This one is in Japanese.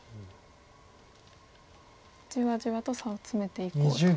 じわじわと差を詰めていこうと。